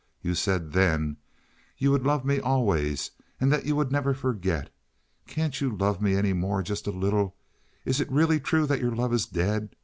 You said then you would love me always and that you would never forget. Can't you love me any more—just a little? Is it really true that your love is dead?